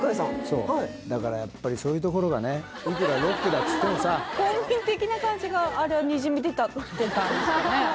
そうだからやっぱりそういうところがねいくらロックだっつってもさ公務員的な感じがあれはにじみ出てたって感じですかね